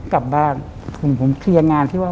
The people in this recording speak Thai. กลับบ้านผมผมเคลียร์งานที่ว่า